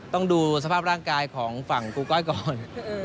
ต้องดูสภาพร่างกายของฝั่งครูก้อยก่อน